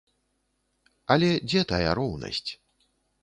Але дзе тая роўнасць?